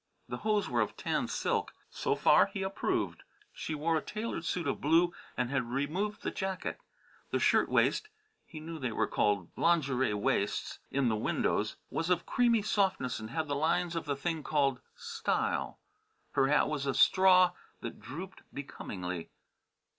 The hose were of tan silk. So far he approved. She wore a tailored suit of blue and had removed the jacket. The shirtwaist he knew they were called "lingerie waists" in the windows was of creamy softness and had the lines of the thing called "style." Her hat was a straw that drooped becomingly.